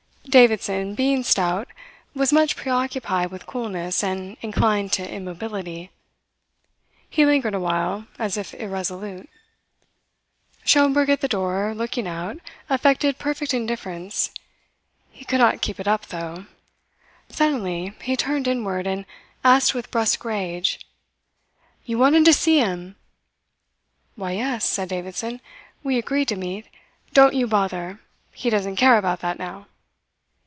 Davidson, being stout, was much preoccupied with coolness and inclined to immobility. He lingered awhile, as if irresolute. Schomberg, at the door, looking out, affected perfect indifference. He could not keep it up, though. Suddenly he turned inward and asked with brusque rage: "You wanted to see him?" "Why, yes," said Davidson. "We agreed to meet " "Don't you bother. He doesn't care about that now."